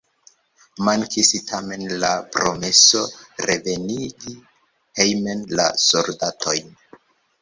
Mankis tamen la promeso revenigi hejmen la soldatojn.